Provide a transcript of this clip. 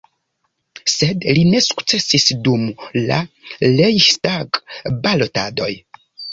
Sed li ne sukcesis dum la Reihstag-balotadoj.